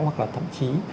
hoặc là thậm chí